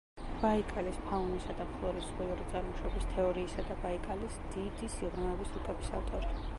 ბაიკალის ფაუნისა და ფლორის ზღვიური წარმოშობის თეორიისა და ბაიკალის დიდი სიღრმეების რუკების ავტორი.